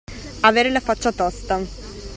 Avere la faccia tosta.